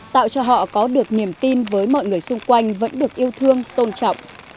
tạo cho họ có được niềm tin với mọi người xung quanh vẫn được yêu thương tôn trọng